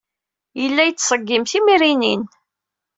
Yella yettṣeggim timrinin.